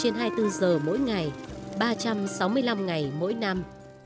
người thầy thuốc luôn có mặt và tỉnh thức hai mươi bốn trên hai mươi bốn giờ mỗi ngày ba trăm sáu mươi năm ngày mỗi năm